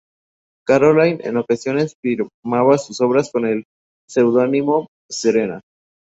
Caroline en ocasiones firmaba sus obras con el pseudónimo "Serena".